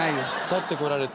勝ってこられて。